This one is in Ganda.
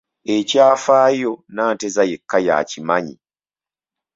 Ekyafaayo Nanteza yekka y'akimanyi.